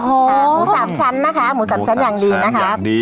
หมูสามชั้นนะคะหมูสามชั้นอย่างดีนะคะ